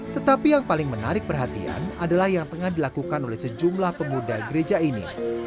tetapi yang paling menarik perhatian adalah yang tengah dilakukan oleh sejumlah pemuda gereja ini